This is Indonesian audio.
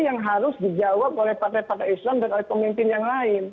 yang harus dijawab oleh partai partai islam dan oleh pemimpin yang lain